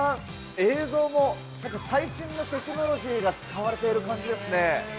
映像も最新のテクノロジーが使われている感じですね。